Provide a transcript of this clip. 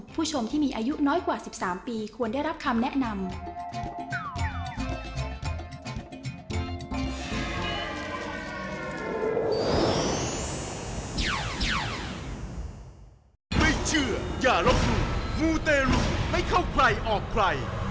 ผู้ชมที่มีอายุน้อยกว่า๑๓ปีควรได้รับคำแนะนำ